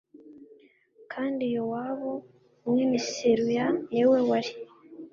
kandi yowabu mwene seruya ni we wari